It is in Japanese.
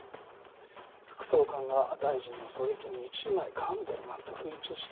副総監が大臣の狙撃に一枚噛んでるなんて吹聴して。